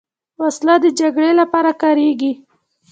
وسله د جګړې لپاره کارېږي